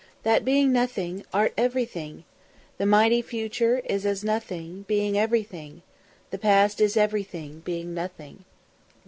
that being nothing art everything! .... The mighty future is as nothing, being everything! the past is everything, being nothing!"